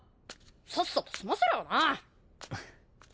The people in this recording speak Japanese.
さっさと済ませろよな。